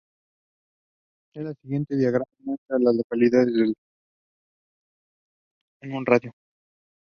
El siguiente diagrama muestra a las localidades en un radio de de Lumber Bridge.